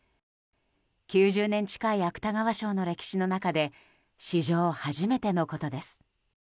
９０年近い芥川賞の歴史の中で史上初めてのことです。